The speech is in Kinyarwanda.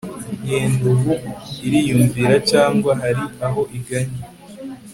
Yenda ubu iriyumvīra cyangwa hari aho igannye